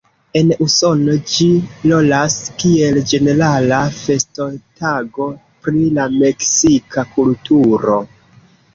En Usono ĝi rolas kiel ĝenerala festotago pri la meksika kulturo.